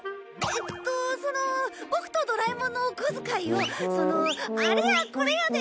えっとそのボクとドラえもんのお小遣いをそのあれやこれやで！